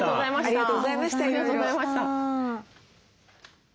ありがとうございましたいろいろ。